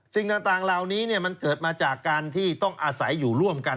สิ่งต่างเหล่านี้มันเกิดมาจากการที่ต้องอาศัยอยู่ร่วมกัน